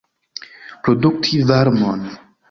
Produkti varmon.